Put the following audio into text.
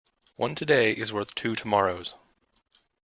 One today is worth two tomorrows.